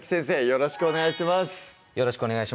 よろしくお願いします